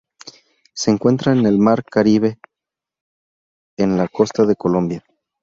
Se encuentra en el Mar Caribe, en la costa de Colombia.